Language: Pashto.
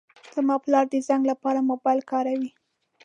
زما پلار د زنګ لپاره موبایل کاروي.